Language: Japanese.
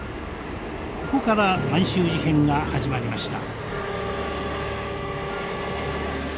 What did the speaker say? ここから満州事変が始まりました。